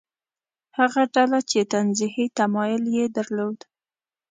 هغه ډله چې تنزیهي تمایل یې درلود.